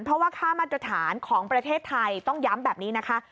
เพราะว่าค่ามาตรฐานของประเทศไทยต้องย้ำแบบนี้นะคะ